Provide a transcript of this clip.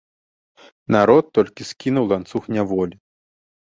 Народ толькі скінуў ланцуг няволі.